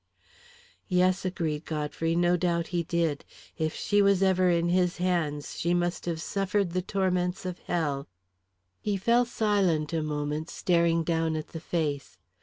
"Yes," agreed Godfrey, "no doubt he did. If she was ever in his hands, she must have suffered the torments of hell." He fell silent a moment, staring down at the face.